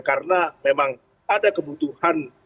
karena memang ada kebutuhan